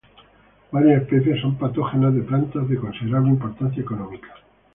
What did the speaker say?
Varias especies son patógenas de plantas de considerable importancia económica.